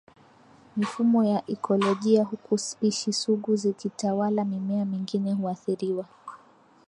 mifumo ya ikolojia huku spishi sugu zikitawala Mimea mingine huathiriwa